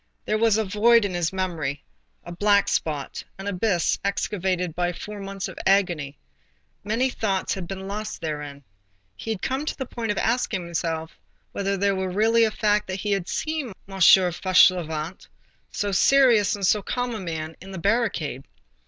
There was a void in his memory, a black spot, an abyss excavated by four months of agony.—Many things had been lost therein. He had come to the point of asking himself whether it were really a fact that he had seen M. Fauchelevent, so serious and so calm a man, in the barricade.